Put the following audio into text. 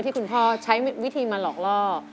คุณพ่อใช้วิธีมาหลอกล่อ